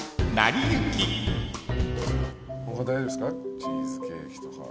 チーズケーキとか。